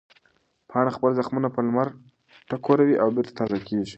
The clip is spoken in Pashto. پاڼه خپل زخمونه په لمر ټکوروي او بېرته تازه کېږي.